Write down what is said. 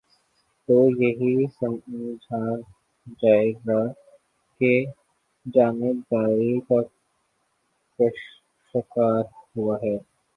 تو یہی سمجھا جائے گا کہ جانب داری کا شکار ہوا ہے۔